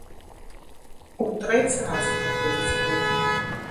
У трэці раз праходзіць прэмія.